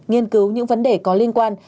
nghiên cứu những vấn đề có liên quan